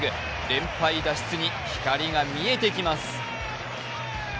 連敗脱出に光が見えてきます。